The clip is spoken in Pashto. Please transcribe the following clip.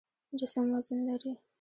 جسم وزن لري.